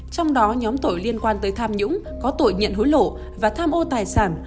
trong đó nhóm tội liên quan tới tham nhũng có tội nhận hối lộ và tham ô tài sản